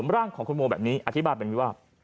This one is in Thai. ร่างของคุณโมแบบนี้อธิบายแบบนี้ว่า